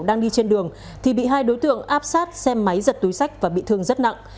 đang đi trên đường thì bị hai đối tượng áp sát xe máy giật túi sách và bị thương rất nặng